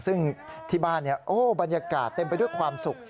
ซึ่งที่บ้านบรรยากาศเต็มไปด้วยความสุข